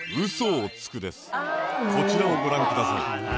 こちらをご覧ください。